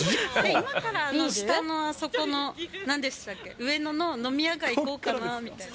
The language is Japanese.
今から下のあそこの、なんでしたっけ、上野の飲み屋街、行こうかなみたいな。